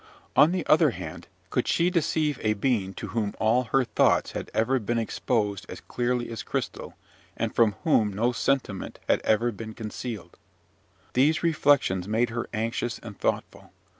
On the other hand, could she deceive a being to whom all her thoughts had ever been exposed as clearly as crystal, and from whom no sentiment had ever been concealed? These reflections made her anxious and thoughtful.